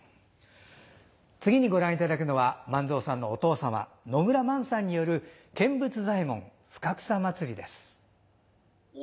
次にご覧いただくのは万蔵さんのお父様野村萬さんによる「見物左衛門深草祭」です。